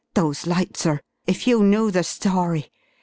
"Those lights, sir if you knew the story!